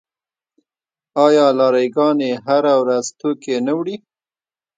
آیا لاری ګانې هره ورځ توکي نه وړي؟